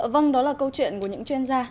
vâng đó là câu chuyện của những chuyên gia